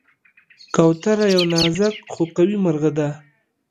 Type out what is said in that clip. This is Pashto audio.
کوتره یو نازک خو قوي مرغه ده.